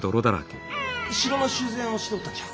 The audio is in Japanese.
城の修繕をしておったんじゃ。